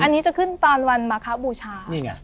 อันนี้จะขึ้นตอนวันมะเข้าบูชา